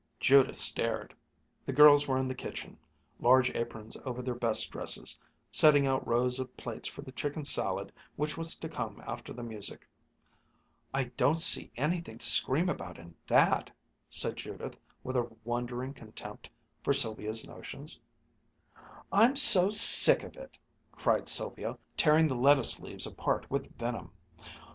Judith stared. The girls were in the kitchen, large aprons over their best dresses, setting out rows of plates for the chicken salad which was to come after the music. "I don't see anything to scream about in that!" said Judith with a wondering contempt for Sylvia's notions. "I'm so sick of it!" cried Sylvia, tearing the lettuce leaves apart with venom.